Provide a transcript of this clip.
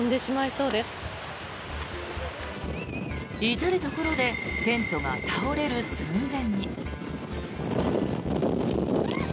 至るところでテントが倒れる寸前に。